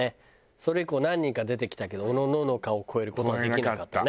それ以降何人か出てきたけどおのののかを超える事はできなかったね。